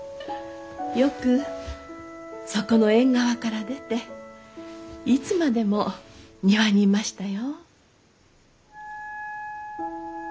よくそこの縁側から出ていつまでも庭にいましたよ。